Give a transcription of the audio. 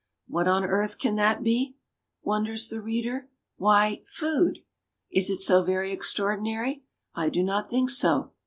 What on earth can that be? wonders the reader. Why, Food! Is it so very extraordinary ? I do not think so.